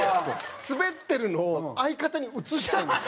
スベってるのを相方に移したいんです。